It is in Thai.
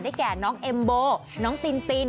ได้แก่น้องเอ็มโบน้องติน